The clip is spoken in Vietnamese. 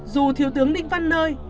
dù thiếu tướng đinh văn nơi